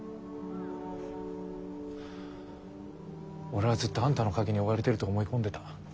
俺はずっとあんたの影に追われてると思い込んでた。